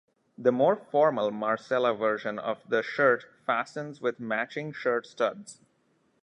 The more formal marcella version of the shirt fastens with matching shirt studs.